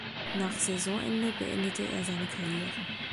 Nach Saisonende beendete er seine Karriere.